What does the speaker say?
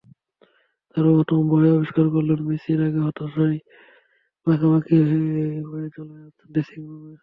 তারাও হতভম্ব হয়ে আবিষ্কার করলেন, মেসি রাগে-হতাশায় মাখামাখি হয়ে চলে যাচ্ছেন ড্রেসিংরুমে।